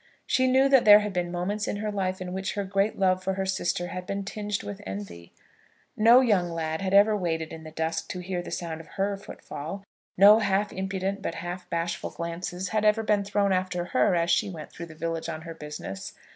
She knew that there had been moments in her life in which her great love for her sister had been tinged with envy. No young lad had ever waited in the dusk to hear the sound of her footfall; no half impudent but half bashful glances had ever been thrown after her as she went through the village on her business.